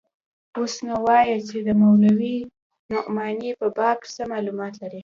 اوس نو وايه چې د مولوي نعماني په باب څه مالومات لرې.